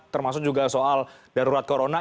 termasuk juga soal darurat corona